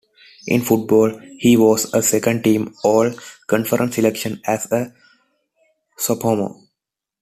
In football, he was a second team All-Conference selection as a sophomore.